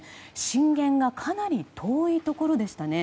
震源がかなり遠いところでしたね。